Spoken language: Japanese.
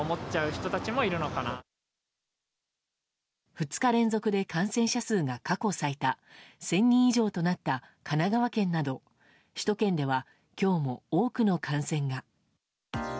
２日連続で感染者数が過去最多１０００人以上となった神奈川県など首都圏では今日も多くの感染が。